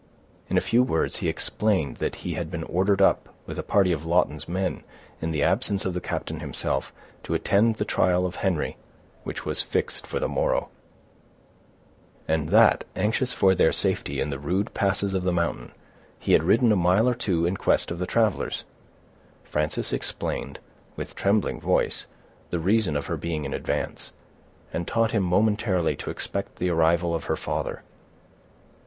In a few words he explained that he had been ordered up, with a party of Lawton's men, in the absence of the captain himself, to attend the trial of Henry, which was fixed for the morrow; and that, anxious for their safety in the rude passes of the mountain, he had ridden a mile or two in quest of the travelers. Frances explained, with trembling voice, the reason of her being in advance, and taught him momentarily to expect the arrival of her father.